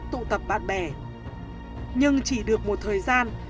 tụ tập bạn bè nhưng chỉ được một thời gian